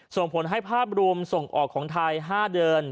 ส่งผลให้ภาพรวมส่งออกของไทย๕เดือน